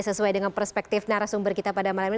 sesuai dengan perspektif narasumber kita pada malam ini